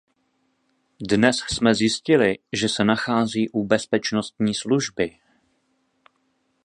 Dnes jsme zjistili, že se nachází u bezpečnostní služby.